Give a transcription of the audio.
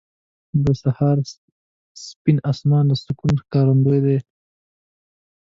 • د سهار سپین اسمان د سکون ښکارندوی دی.